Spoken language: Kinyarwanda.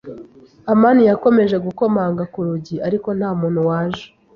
amani yakomeje gukomanga ku rugi, ariko nta muntu waje.